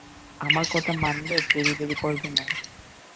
আমার কথা মানবে, তেড়িবেড়ি করবে না।